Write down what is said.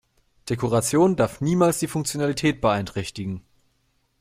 Dekoration darf niemals die Funktionalität beeinträchtigen.